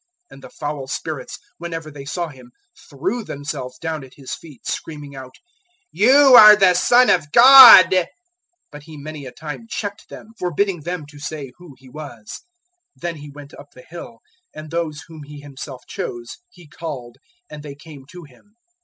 003:011 And the foul spirits, whenever they saw Him, threw themselves down at His feet, screaming out: "You are the Son of God." 003:012 But He many a time checked them, forbidding them to say who He was. 003:013 Then He went up the hill; and those whom He Himself chose He called, and they came to Him.